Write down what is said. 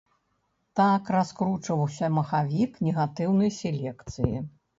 Так раскручваўся махавік негатыўнай селекцыі.